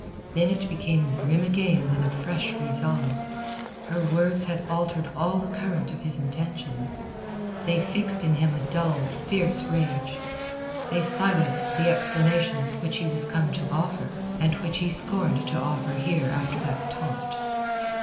Then it became grim again with a fresh resolve. Her words had altered all the current of his intentions. They fixed in him a dull, fierce rage. They silenced the explanations which he was come to offer, and which he scorned to offer here after that taunt.